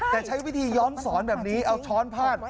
แต่ใช้วิธีย้อนสอนแบบนี้เอาช้อนพาด